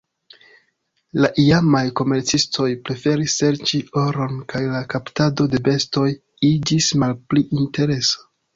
La iamaj komercistoj preferis serĉi oron kaj la kaptado de bestoj iĝis malpli interesa.